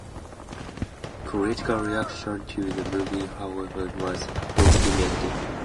Critical reaction to the movie however was mostly negative.